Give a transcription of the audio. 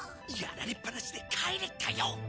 やられっぱなしで帰れっかよ！